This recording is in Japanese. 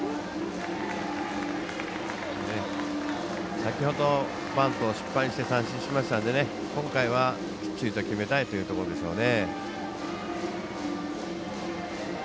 先ほど、バント失敗して三振しましたので今回はきっちりと決めたいというところでしょうね。